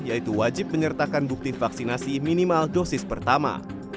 yaitu wajib menyertakan bukti vaksinasi minimal dosis pertama